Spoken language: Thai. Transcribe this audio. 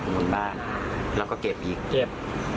บนบ้านแล้วก็เก็บอีกเก็บ